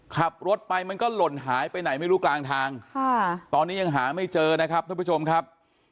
ขับรถไปมันก็หล่นหายไปไหนไม่รู้กลางทางตอนนี้ยังหาไม่เจอนะครับท่านผู้ชมครับ